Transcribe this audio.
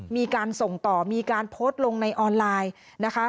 มีการส่งต่อมีการโพสต์ลงในออนไลน์นะคะ